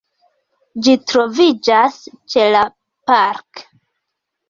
Ĝi troviĝas ĉe la “Park”.